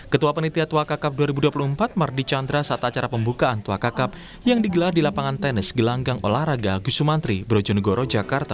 ketua penelitian tuakka cup dua ribu dua puluh empat mardi chandra saat acara pembukaan tuakka cup yang digelar di lapangan tenis gelanggang olahraga gusu mantri brojonegoro jakarta